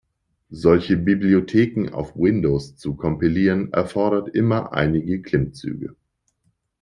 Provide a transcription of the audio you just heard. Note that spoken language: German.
Solche Bibliotheken auf Windows zu kompilieren erfordert immer einige Klimmzüge.